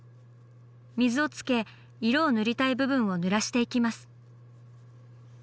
水をつけ色を塗りたい部分をぬらしていきます。